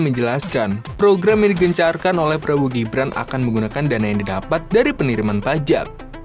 menjelaskan program yang digencarkan oleh prabowo gibran akan menggunakan dana yang didapat dari pengiriman pajak